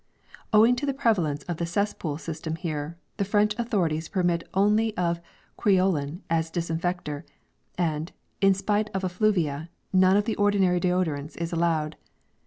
Owing to the prevalence of the cesspool system here, the French authorities permit only of creolin as disinfector; and, in spite of effluvia, none of the ordinary deodorants is allowed.